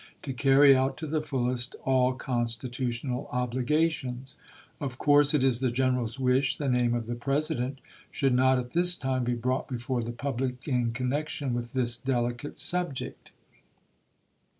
j^dow carry out to the fullest aU constitutional obligations. Of 1*861*^"^ r' course it is the General's wish the name of the President series iii., should not at this time be brought before the public in 375." connection with this delicate subject.